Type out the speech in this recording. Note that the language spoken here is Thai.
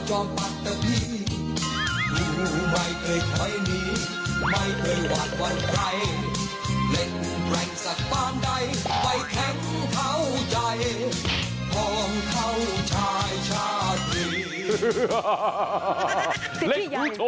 สิทธิ์ใหญ่